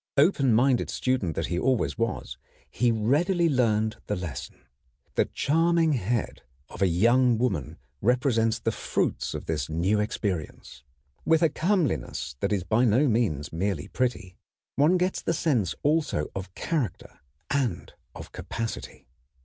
Open minded student that he always was, he readily learned the lesson. The charming head of a young woman represents the fruits of this new experience. With a comeliness that is by no means merely pretty, one gets the sense also of character and of capacity.